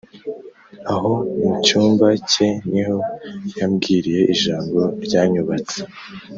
aho mu cyumba ke ni ho yambwiriye ijambo ryanyubatse